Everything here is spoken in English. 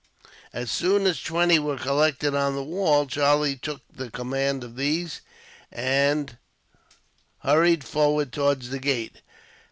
As soon as twenty men were collected on the wall, Charlie took the command of these, and hurried forward towards the gate.